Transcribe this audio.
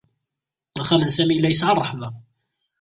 Axxam n Sami yella yesɛa rrehba.